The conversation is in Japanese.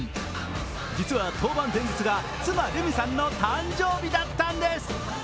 実は登板前日が妻・瑠美さんの誕生日だったんです。